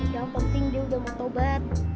yang penting dia udah mau tobat